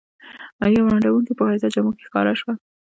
یوه ړندوکۍ په ښایسته جامو کې ښکاره شوه.